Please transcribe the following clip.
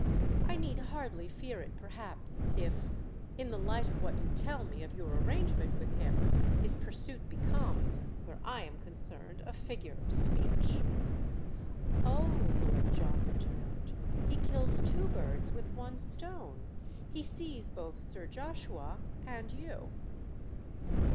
"I need hardly fear it perhaps if—in the light of what you tell me of your arrangement with him—his pursuit becomes, where I am concerned, a figure of speech." "Oh," Lord John returned, "he kills two birds with one stone—he sees both Sir Joshua and you."